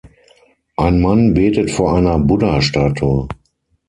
Ein Mann betet vor einer Buddha-Statue.